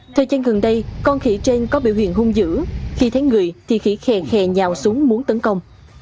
thời gian gần đây con khỉ trên có biểu hiện hung dữ khi thấy người thì khỉ khè khè nhào xuống muốn tấn công